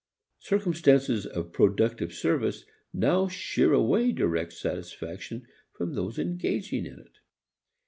Circumstances of productive service now shear away direct satisfaction from those engaging in it.